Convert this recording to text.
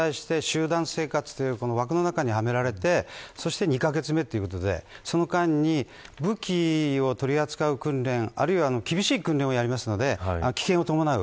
それが入隊して集団生活という枠の中にはめられて２カ月目ということでその間に武器を取り扱う訓練、あるいは厳しい訓練をやりますので危険を伴う。